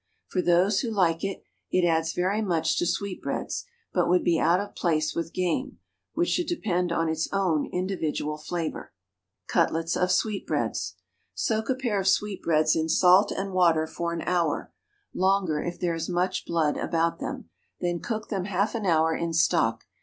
For those who like it, it adds very much to sweetbreads, but would be out of place with game, which should depend on its own individual flavor. Cutlets of Sweetbreads. Soak a pair of sweetbreads in salt and water for an hour longer if there is much blood about them; then cook them half an hour in stock.